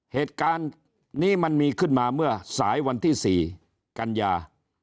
เหตุการณ์นี้มันมีขึ้นมาเมื่อสายวันที่๔กันยา